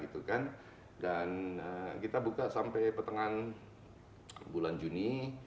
dan kita buka sampai petengan bulan juni